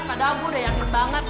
padahal aku udah yakin banget